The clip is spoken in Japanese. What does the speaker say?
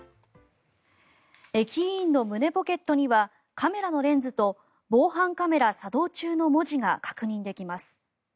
駅員の胸ポケットにはカメラのレンズと「防犯カメラ作動中」の文字が確認できます。